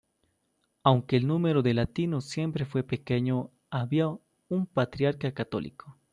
Aunque el número de latinos siempre fue pequeño, había un patriarca católico.